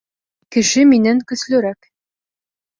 — Кеше минән көслөрәк.